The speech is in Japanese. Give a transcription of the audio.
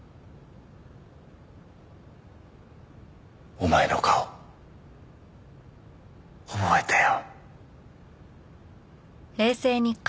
お前の顔覚えたよ。